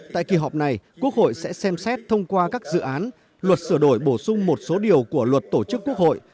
tại kỳ họp này quốc hội sẽ xem xét thông qua các dự án luật sửa đổi bổ sung một số điều của luật tổ chức quốc hội